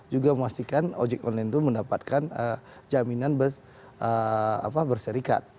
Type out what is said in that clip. juga memastikan ojek online itu mendapatkan jaminan berserikat